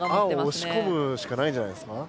青押しこむしかないんじゃないですか？